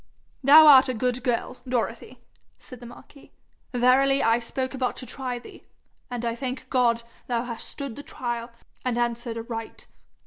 'Thou art a good girl, Dorothy,' said the marquis. 'Verily I spoke but to try thee, and I thank God thou hast stood the trial, and answered aright.